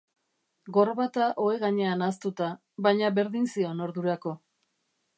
Gorbata ohe gainean ahaztuta, baina berdin zion ordurako.